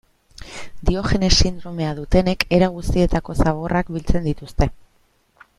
Diogenes sindromea dutenek era guztietako zaborrak biltzen dituzte.